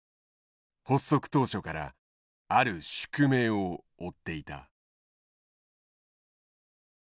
発足当初からある宿命を負っていた。